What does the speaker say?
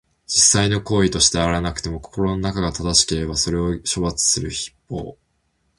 実際の行為として現れなくても、心の中が正しくなければ、それを処罰する筆法。